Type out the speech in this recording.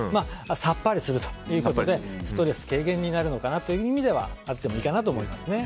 さっぱりするということでストレス軽減になるのかなという意味では合ってもいいのかなと思いますね。